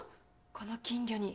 この金魚に。